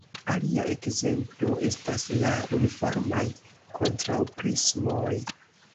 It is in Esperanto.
Alia ekzemplo estas la uniformaj kontraŭprismoj.